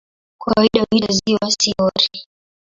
Kwa kawaida huitwa "ziwa", si "hori".